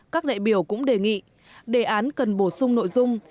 các đại biểu cũng đề nghị đề án cần bổ sung nội dung